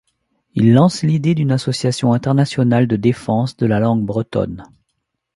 Il lance l'idée d'une association internationale de défense de la langue bretonne.